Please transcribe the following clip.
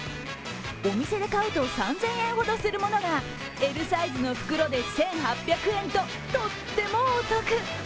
お店で買うと３０００円ほどするものが、Ｌサイズの袋で１８００円ととってもお得。